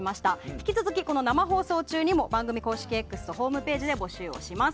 引き続き生放送中にも番組公式Ｘとホームページで募集をします。